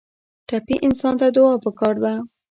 ټپي انسان ته دعا پکار ده.